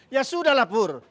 ya sudah lah pur